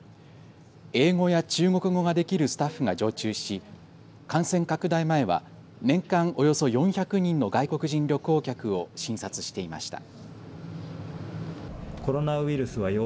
英語や中国語ができるスタッフが常駐し感染拡大前は年間およそ４００人の外国人旅行客を診察していました。